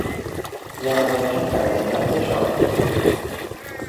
Jelenleg Csepelen él és alkot.